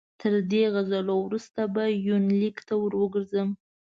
تر دې غزلو وروسته به یونلیک ته ور وګرځم.